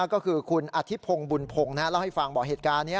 ก็คือคุณอธิพงศ์บุญพงศ์เล่าให้ฟังบอกเหตุการณ์นี้